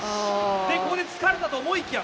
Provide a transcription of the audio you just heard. ここで疲れたと思いきや